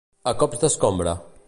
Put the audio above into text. A cops d'escombra.